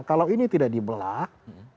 kalau ini tidak dibelak